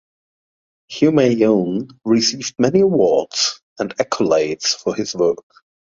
Humayun received many awards and accolades for his work.